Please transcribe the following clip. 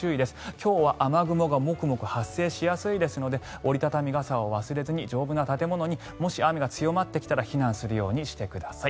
今日は雨雲がモクモク発生しやすいですので折り畳み傘を忘れずに丈夫な建物にもし雨が強まってきたら避難するようにしてください。